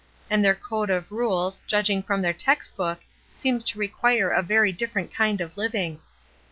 And their code of rules, judg ing from their text book, seems to require a very different kind of Uving.